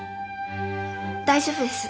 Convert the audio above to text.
大丈夫です。